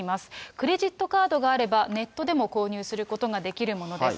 クレジットカードがあれば、ネットでも購入することができるものです。